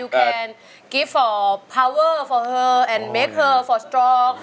สวัสดีครับคุณหน่อย